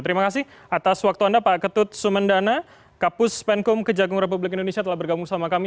terima kasih atas waktu anda pak ketut sumendana kapus penkum kejagung republik indonesia telah bergabung sama kami